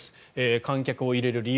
観客を入れる理由。